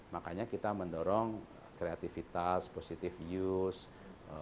makanya kita mendorong kreativitas positive use